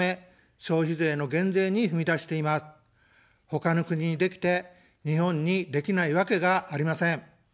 他の国にできて、日本にできないわけがありません。